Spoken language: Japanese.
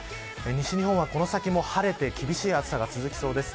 西日本はこの先も晴れて厳しい暑さが続きそうです。